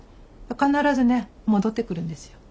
必ずね戻ってくるんですよ。